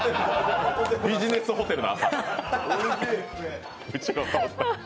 ビジネスホテルの朝。